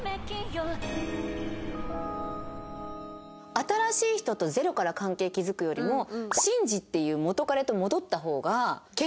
新しい人とゼロから関係築くよりも慎二っていう元カレと戻った方が結婚は近いもんね。